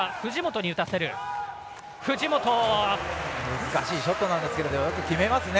難しいショットなんですがよく決めますね。